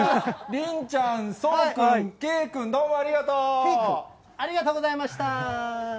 りんちゃん、そうくん、ありがとうございました。